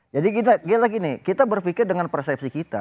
jadi kita lagi nih kita berpikir dengan persepsi kita